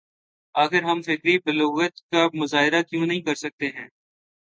آخر ہم فکری بلوغت کا مظاہرہ کیوں نہیں کر سکتے ہیں؟